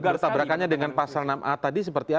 berkabrakannya dengan pasal enam ayat tadi seperti apa